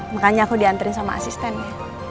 makanya aku diantrin sama asisten ya